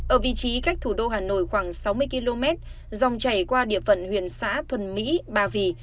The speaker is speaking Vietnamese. ở vị trí cách thủ đô hà nội khoảng sáu mươi km dòng chảy qua địa phận huyện xã thuần mỹ ba vì